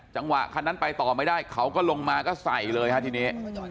จังหวะคันนั้นไปต่อไม่ได้เขาก็ลงมาก็ใส่เลยฮะทีนี้